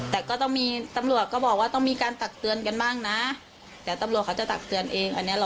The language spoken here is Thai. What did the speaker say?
ซึ่งเราก็หลังจากนี้ก็จะกลับมาพูดคุยกันใหม่